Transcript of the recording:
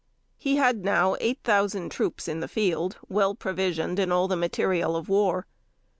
He had now eight thousand troops in the field well provided in all the material of war.